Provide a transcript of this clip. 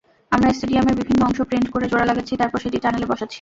আমরা স্টেডিয়ামের বিভিন্ন অংশ প্রিন্ট করে জোড়া লাগাচ্ছি, তারপর সেটি টানেলে বসাচ্ছি।